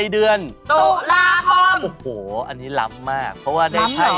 อันนี้ดี